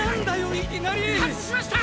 いきなり！はずしました！